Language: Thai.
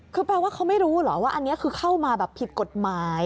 คือแปลว่าเขาไม่รู้เหรอว่าอันนี้คือเข้ามาแบบผิดกฎหมาย